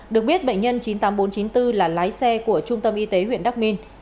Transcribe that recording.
được biết bệnh nhân chín mươi tám nghìn bốn trăm chín mươi bốn là lái xe của trung tâm y tế huyện đắc minh